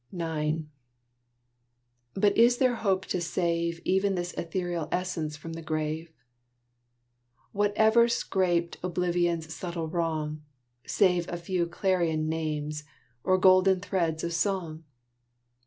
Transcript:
IX But is there hope to save Even this ethereal essence from the grave? What ever 'scaped Oblivion's subtle wrong Save a few clarion names, or golden threads of song?